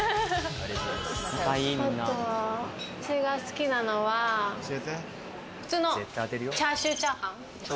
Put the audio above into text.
あとは私が好きなのは普通のチャーシューチャーハン。